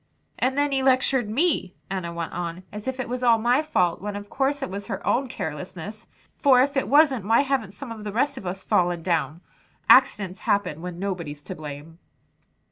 "And then he lectured me," Enna went on, "as if it was all my fault, when of course it was her own carelessness; for if it wasn't, why haven't some of the rest of us fallen down. Accidents happen when nobody's to blame."